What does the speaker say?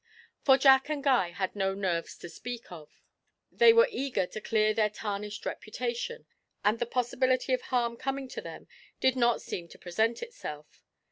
For Jack and Guy had no nerves to speak of; they were eager to clear their tarnished reputation, and the possibility of harm coming to them did not seem to present itself.